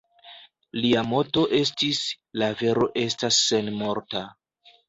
Lia moto estis "La vero estas senmorta".